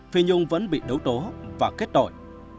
phi nhung vẫn bị đấu tố và kết đổi